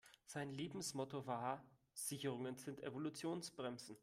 Sein Lebensmotto war: Sicherungen sind Evolutionsbremsen.